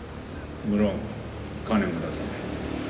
無論金も出さない。